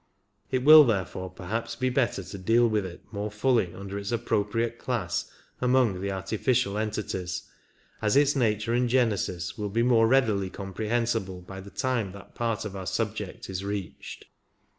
It will therefore perhaps be better to deal with it more fully under its appropriate class among the artificial entities, as its nature and genesis will be more readily comprehensible by the time that part of our subject is reached.